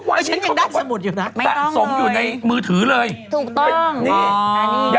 อั้นยังได้ยังสมุทรอยู่นะ